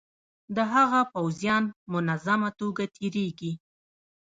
د هغه پوځیان منظمه توګه تیریږي.